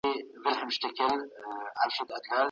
د کار پر وخت ټولې ستونزې مه یادوئ.